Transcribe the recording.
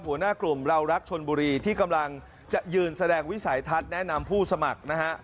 หัวหน้ากลุ่มเรารักชนบุรีที่กำลังจะยืนแสดงวิสัยทัศน์แนะนำผู้สมัครนะฮะ